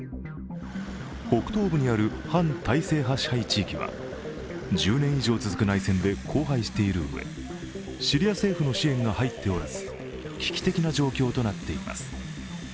北東部にある反体制派支配地域は１０年以上続く内戦で荒廃しているうえ、シリア政府の支援が入っておらず、危機的な状況となっています。